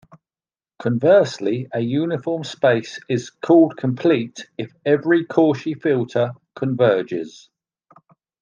Conversely, a uniform space is called complete if every Cauchy filter converges.